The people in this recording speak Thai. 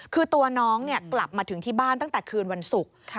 คือตัวน้องกลับมาถึงที่บ้านตั้งแต่คืนวันศุกร์